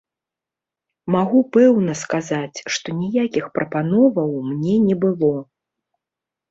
Магу пэўна сказаць, што ніякіх прапановаў мне не было.